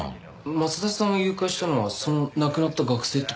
松田さんを誘拐したのはその亡くなった学生って事ですか？